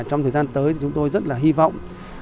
trong thời gian tới chúng tôi rất là hy vọng